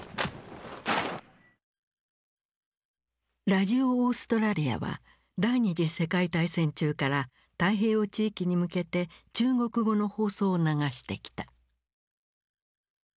ラジオ・オーストラリアは第二次世界大戦中から太平洋地域に向けて中国語の放送を流してきた。